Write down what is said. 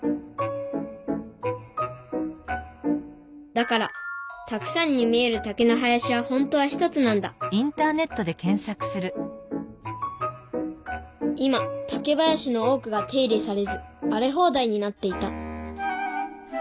だからたくさんに見える竹の林は本当は１つなんだ今竹林の多くが手入れされずあれほうだいになっていた。